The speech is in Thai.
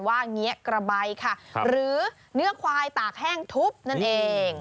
เงี้ยกระใบค่ะหรือเนื้อควายตากแห้งทุบนั่นเอง